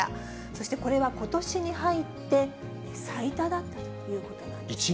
そして、これはことしに入って最多だったということなんですね。